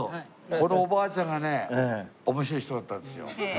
このおばあちゃんがね面白い人だったんですよ。